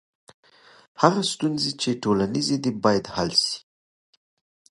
هغه ستونزي چي ټولنیزي دي باید حل سي.